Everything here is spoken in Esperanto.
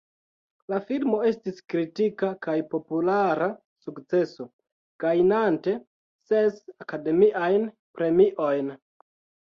La filmo estis kritika kaj populara sukceso, gajnante ses Akademiajn Premiojn.